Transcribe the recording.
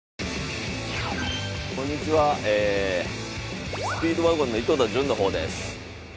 こんにちはスピードワゴンの井戸田潤の方です